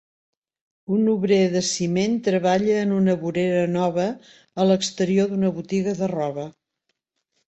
Un obrer de ciment treballa en una vorera nova a l'exterior d'una botiga de roba.